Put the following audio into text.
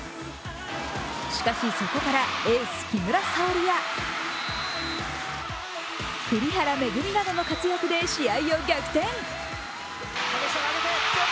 しかし、そこからエース木村沙織や栗原恵などの活躍で試合を逆転。